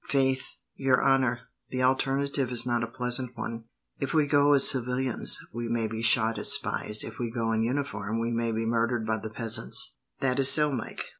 "Faith, your honour, the alternative is not a pleasant one. If we go as civilians, we may be shot as spies; if we go in uniform, we may be murdered by the peasants." "That is so, Mike.